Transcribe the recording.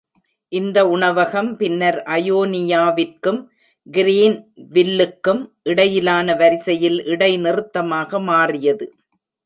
இந்த உணவகம் பின்னர் அயோனியாவிற்கும் கிரீன்வில்லுக்கும் இடையிலான வரிசையில் இடை நிறுத்தமாக மாறியது.